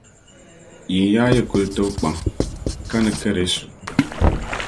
Yinyaa yi kuli tibi kpaŋ ka ni karɛsu.